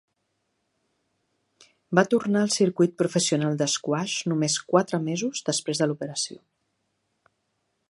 Va tornar al circuit professional d'esquaix només quatre mesos després de l'operació.